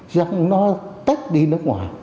rằng nó tết đi nước ngoài